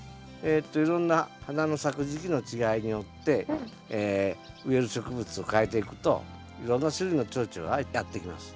いろんな花の咲く時期の違いによって植える植物をかえていくといろんな種類のチョウチョがやって来ます。